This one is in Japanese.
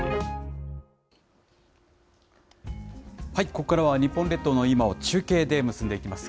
ここからは日本列島の今を中継で結んでいきます。